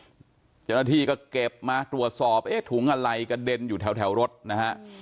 เดี๋ยวนาทีก็เก็บมาตรวจสอบทุนอะไรกระเด็นอยู่แถวแถวรถนะฮะ